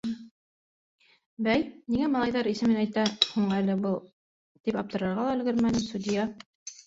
Бәй, ниңә малайҙар исемен әйтә һуң әле был, тип аптырарға ла өлгөрмәнем, судья: